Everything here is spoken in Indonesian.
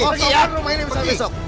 harus dikosongkan rumah ini besok